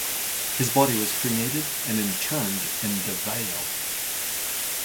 His body was cremated and interned in Davao.